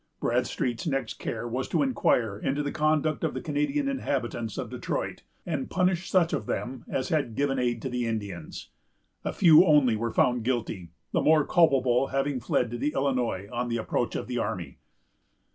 Bradstreet's next care was to inquire into the conduct of the Canadian inhabitants of Detroit, and punish such of them as had given aid to the Indians. A few only were found guilty, the more culpable having fled to the Illinois on the approach of the army.